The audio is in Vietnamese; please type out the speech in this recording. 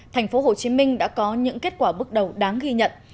thành phố hồ chí minh đã có những kết quả bước đầu đáng ghi nhận